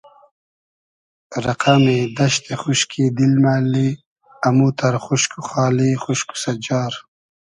رئقئمی دئشتی خوشکی دیل مۂ اللی اموتئر خوشک و خالی خوشک و سئجار